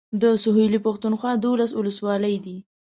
د سويلي پښتونخوا دولس اولسولۍ دي.